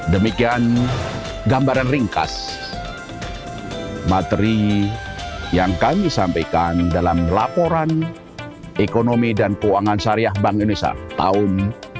demikian gambaran ringkas materi yang kami sampaikan dalam laporan ekonomi dan keuangan syariah bank indonesia tahun dua ribu dua puluh